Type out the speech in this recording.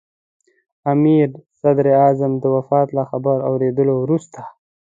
امیر د صدراعظم د وفات له خبر اورېدو وروسته.